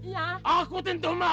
ya aku tentu mau